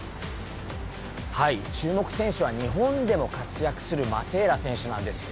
注目選手は日本でも活躍するマテーラ選手なんです。